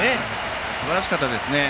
すばらしかったですね。